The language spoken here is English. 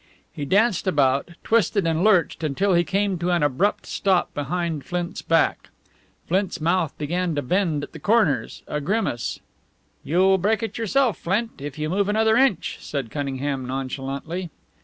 He danced about, twisted and lurched until he came to an abrupt stop behind Flint's back. Flint's mouth began to bend at the corners a grimace. "You'll break it yourself, Flint, if you move another inch," said Cunningham, nonchalantly.